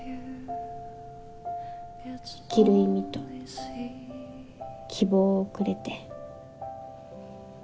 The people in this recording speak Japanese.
生きる意味と希望をくれて。